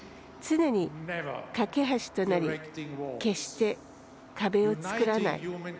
常に懸け橋となり決して壁を作らない。